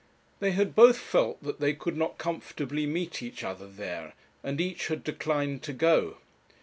They had both felt that they could not comfortably meet each other there, and each had declined to go.